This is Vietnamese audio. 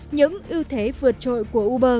những ưu thế vượt trội của uber